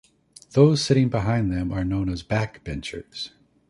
Those sitting behind them are known as backbenchers.